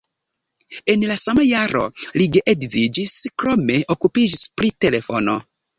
En la sama jaro li geedziĝis, krome okupiĝis pri telefono.